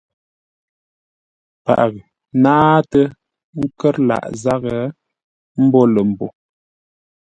Paghʼə náatə́ ńkə́r lâʼ zághʼə mbô lə̂ mbô.